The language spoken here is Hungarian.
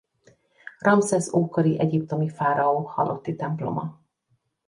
Ramszesz ókori egyiptomi fáraó halotti temploma.